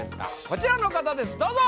こちらの方ですどうぞ！